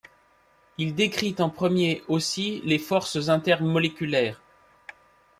Il décrit en premier aussi les forces intermoléculaires.